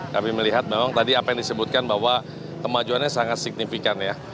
kami melihat memang tadi apa yang disebutkan bahwa kemajuannya sangat signifikan ya